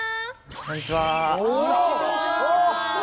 こんにちは。